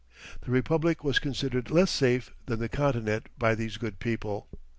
The Republic was considered less safe than the Continent by these good people.